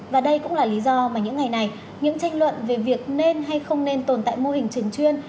và đây cũng là lý do mà những ngày này những tranh luận về việc nên hay không nên tồn tại mô hình trình chuyên